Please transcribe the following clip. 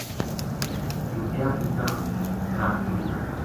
دوجا بُوٹا تا ٹُریو